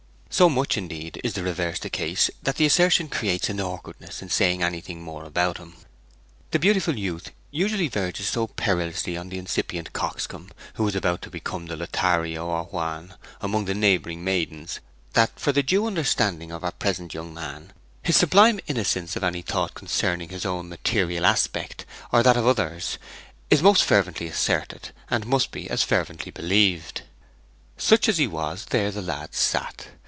So much, indeed, is the reverse the case that the assertion creates an awkwardness in saying anything more about him. The beautiful youth usually verges so perilously on the incipient coxcomb, who is about to become the Lothario or Juan among the neighbouring maidens, that, for the due understanding of our present young man, his sublime innocence of any thought concerning his own material aspect, or that of others, is most fervently asserted, and must be as fervently believed. Such as he was, there the lad sat.